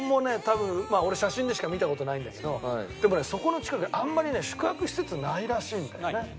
多分まあ俺写真でしか見た事ないんだけどでもねそこの近くあんまりね宿泊施設ないらしいんだよね。